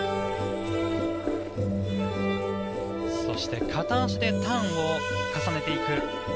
そして片足でターンを重ねていく。